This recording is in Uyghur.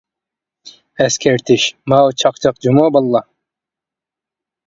ئەسكەرتىش : ماۋۇ چاقچاق جۇمۇ باللا.